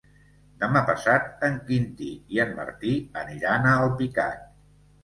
Demà passat en Quintí i en Martí aniran a Alpicat.